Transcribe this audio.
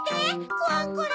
コアンコラ！